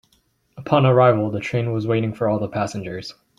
Upon arrival, the train was waiting for all passengers.